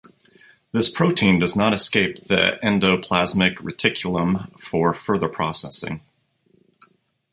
This protein does not escape the endoplasmic reticulum for further processing.